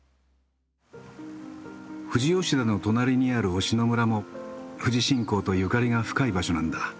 富士吉田の隣にある忍野村も富士信仰とゆかりが深い場所なんだ。